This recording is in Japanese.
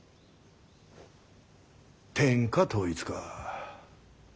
天下統一か。